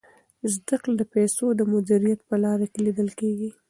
زده کړه د پیسو د مدیریت په لاره کي لیدل کیږي.